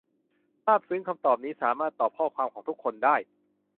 ซาบซึ้ง คำตอบนี้ สามารถตอบข้อความของทุกคนได้